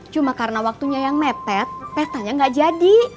cuma karena waktunya yang mepet pestanya gak jadi